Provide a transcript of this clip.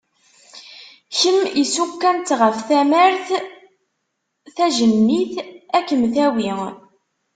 Kemm issuk-am-tt ɣef tamart, tajennit ad kem-tawi.